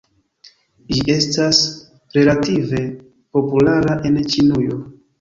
Ĝi estas relative populara en Ĉinujo.